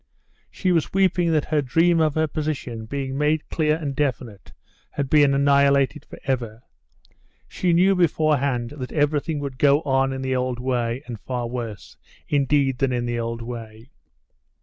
She was weeping that her dream of her position being made clear and definite had been annihilated forever. She knew beforehand that everything would go on in the old way, and far worse, indeed, than in the old way.